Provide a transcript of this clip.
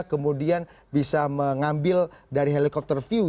kemudian bisa mengambil dari helikopter view